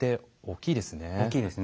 大きいですね。